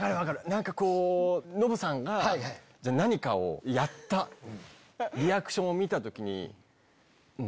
何かノブさんが何かをやったリアクションを見た時に。